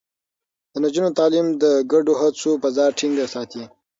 د نجونو تعليم د ګډو هڅو فضا ټينګه ساتي.